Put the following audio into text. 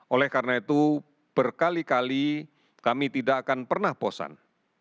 oleh karena itu berkali kali kami tidak akan pernah bosan